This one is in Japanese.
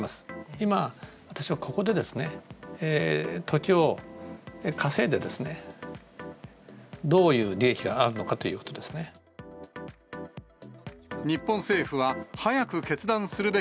今、私はここでですね、時を稼いでですね、どういう利益があるのかということですね。